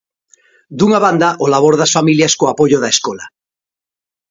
Dunha banda o labor das familias co apoio da escola.